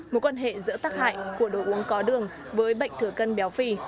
một quan hệ giữa tác hại của đồ uống có đường với bệnh thừa cân béo phi